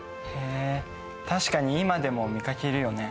確かに今でも見かけるよね。